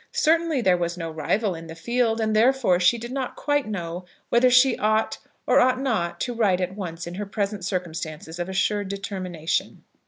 Certainly, there was no rival in the field, and therefore she did not quite know whether she ought or ought not to write at once in her present circumstances of assured determination.